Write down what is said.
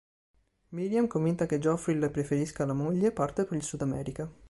Miriam, convinta che Geoffrey le preferisca la moglie, parte per il Sud America.